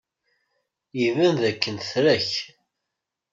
Iban dakken tra-k.